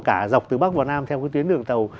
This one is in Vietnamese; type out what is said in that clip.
cả dọc từ bắc vào nam theo cái tuyến đường tàu